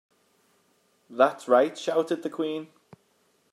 ‘That’s right!’ shouted the Queen.